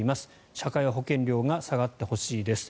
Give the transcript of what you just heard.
社会保険料が下がってほしいです。